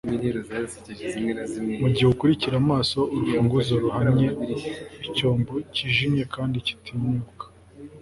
mugihe ukurikira amaso urufunguzo ruhamye, icyombo kijimye kandi gitinyuka